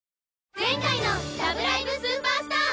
前回の「ラブライブ！スーパースター！！」